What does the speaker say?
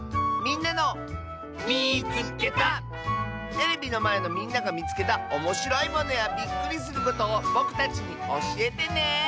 テレビのまえのみんながみつけたおもしろいものやびっくりすることをぼくたちにおしえてね！